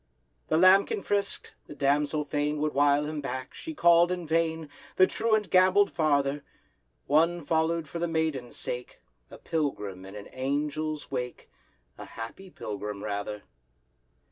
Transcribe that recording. The lambkin frisk'd, the damsel fain Would wile him back,—she called in vain. The truant gamboll'd farther: One follow'd for the maiden's sake, A pilgrim in an Angel's wake— A happy pilgrim, rather.